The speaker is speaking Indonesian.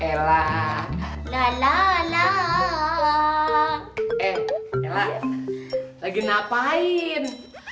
eh ilah lagi ngapain